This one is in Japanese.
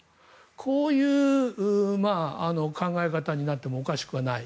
こういう考え方になってもおかしくない。